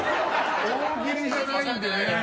大喜利じゃないのでね。